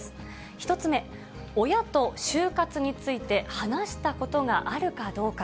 １つ目、親と終活について話したことがあるかどうか。